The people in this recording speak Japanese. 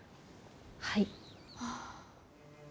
はい。